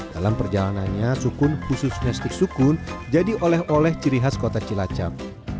dalam perjalanannya sukun khususnya stik sukun jadi oleh oleh ciri khas kota cilacap